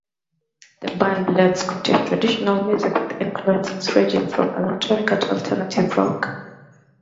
The band blends Scottish traditional music with influences ranging from electronica to alternative rock.